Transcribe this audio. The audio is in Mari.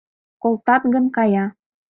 Колтат гын, кая!